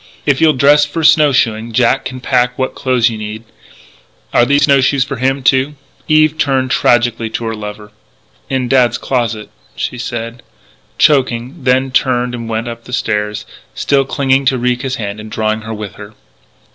If you'll dress for snow shoeing, Jack can pack what clothes you need.... Are there snow shoes for him, too?" Eve turned tragically to her lover: "In Dad's closet " she said, choking; then turned and went up the stairs, still clinging to Ricca's hand and drawing her with her.